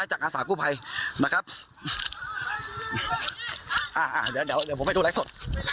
นะครับอ่าอ่าเดี๋ยวเดี๋ยวเดี๋ยวผมไปดูรายสด